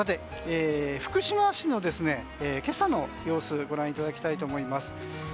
福島市の今朝の様子ご覧いただきたいと思います。